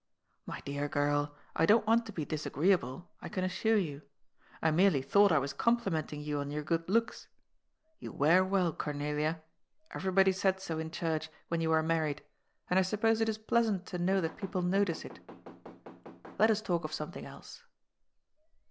'^ My dear girl, I don't want to be disagreeable, I can assure you. I merely thought I was complimenting you on your good looks. You wear well, Cornelia. Everybody said so in church, when you were married, and I suppose it 234 CK)D'S FOOL. is pleasant to know that people notice it. Let ns talk of something else."